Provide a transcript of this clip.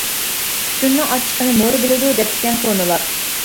«تۈتۈننىڭ ئاچچىقىنى مورا بىلىدۇ. » دەپتىكەن كونىلار.